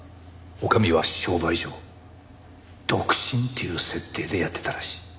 女将は商売上独身っていう設定でやってたらしい。